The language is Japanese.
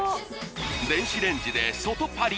電子レンジで外パリッ！